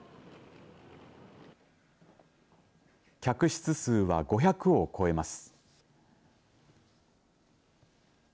客室数は５００を超えます。